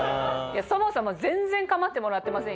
そもそも全然構ってもらってませんよね？